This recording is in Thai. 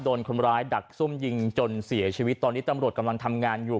โดนคนร้ายดักซุ่มยิงจนเสียชีวิตตอนนี้ตำรวจกำลังทำงานอยู่